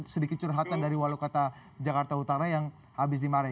sedikit curhatan dari walaukata jakarta utara yang habis dimarai